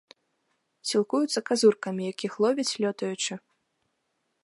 Сілкуюцца казуркамі, якіх ловяць, лётаючы.